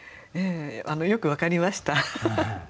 よく分かりました。